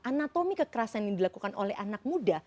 anatomi kekerasan yang dilakukan oleh anak muda